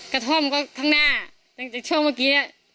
กระท่อมมันก็ข้างหน้าจากช่วงเมื่อกี้น่ะ